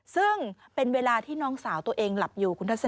ซึ่งเป็นเวลาที่น้องสาวตัวเองหลับอยู่คุณทัศน